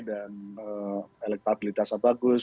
dan elektabilitasnya bagus